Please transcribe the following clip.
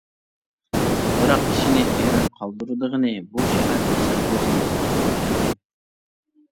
بىراق كىشىنى ھەيران قالدۇرىدىغىنى، بۇ شەھەر تەسەۋۋۇردىن ۋۇجۇدقا كەلگەن.